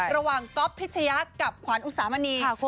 ระหว่างก๊อฟพิชยักษ์กับขวัญอุสามณี